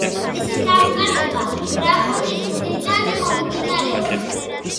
მისი დამწერლობა ბრაჰმიდან მომდინარეობს.